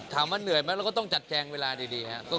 ถามว่าเหนื่อยไหมเราก็ต้องจัดแจงเวลาดีครับ